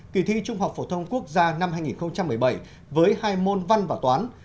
kỳ thi trung học phổ thông quốc gia năm hai nghìn một mươi bảy với hai môn văn và toán